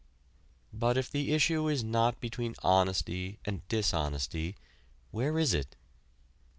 But if the issue is not between honesty and dishonesty, where is it?